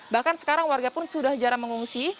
bahkan sekarang warga pun sudah jarang mengungsi